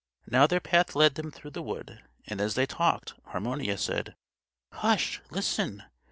Now their path led them through the wood; and as they talked, Harmonius said: "Hush! listen!"